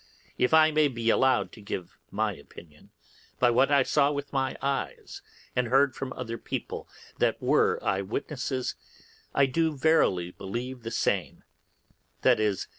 If I may be allowed to give my opinion, by what I saw with my eyes and heard from other people that were eye witnesses, I do verily believe the same, viz.